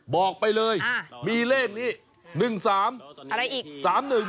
บอกไปเลยมีเลขนี้๑๓